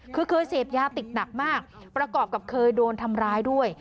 คือเคยเสพยาติดหนักมากประกอบกับเคยโดนทำร้ายด้วย